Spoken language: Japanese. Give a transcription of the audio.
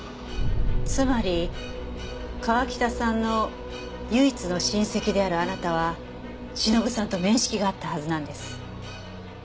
つまり川喜多さんの唯一の親戚であるあなたは忍さんと面識があったはずなんです。